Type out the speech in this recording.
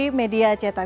kategori media cetak